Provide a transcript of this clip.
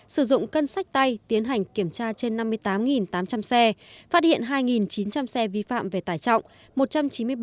sử dụng cân sách tay tiến hành kiểm tra trên năm mươi tám tám trăm linh xe phát hiện hai chín trăm linh xe vi phạm về tải trọng